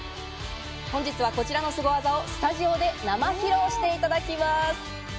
本日はこちらのスゴ技をスタジオで生披露していただきます。